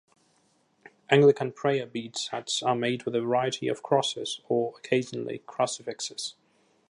Anglican prayer bead sets are made with a variety of crosses or, occasionally, crucifixes.